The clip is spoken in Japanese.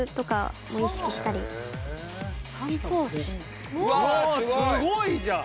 常にうわあすごいじゃん。